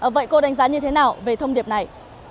vậy cô đánh giá như thế nào về thông điệp này